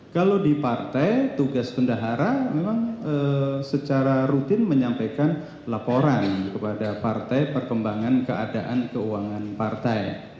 kalau di partai tugas pendahara memang secara rutin menyampaikan laporan kepada partai perkembangan keadaan keuangan partai